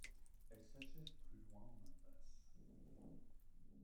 Elle s'achève plus loin en impasse.